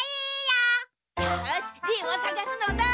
よしリンをさがすのだ！